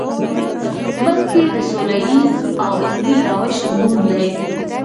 بلکې د سولیز او علمي روش نوم دی.